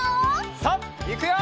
さあいくよ！